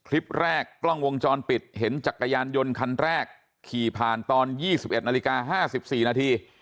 คลิปแรกกล้องวงจรปิดเห็นจักรยานยนต์คันแรกขี่ผ่านตอน๒๑นาฬิกา๕๔นาที